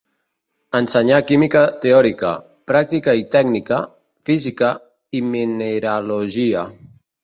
Ensenyà química teòrica, pràctica i tècnica, física i mineralogia.